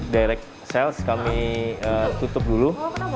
direct sales kami tutup dulu